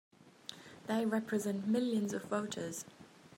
They represent millions of voters!